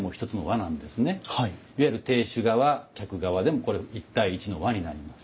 いわゆる亭主側客側でもこれ一対一の和になります。